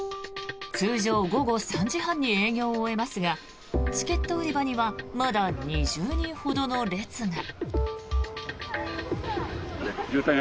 通常、午後３時半に営業を終えますがチケット売り場にはまだ２０人ほどの列が。